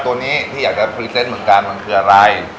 ตัวนี้ที่อยากจะพรีเซนต์เหมือนกันมันคืออะไร